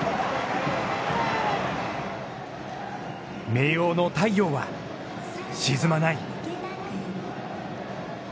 明桜の太陽は沈まない。